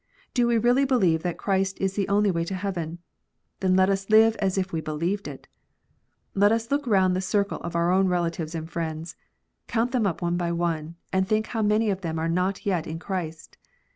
Do we really believe that Christ is the only way to heaven ? Then let us live as if we believed it. Let us look round the circle of our own relatives and friends, count them up one by one, and think how many of them are not yet in Christ.